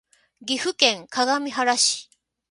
岐阜県各務原市